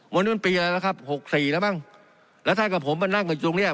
วันนี้มันปีอะไรแล้วครับหกสี่แล้วมั้งแล้วท่านกับผมมานั่งอยู่ตรงเนี้ย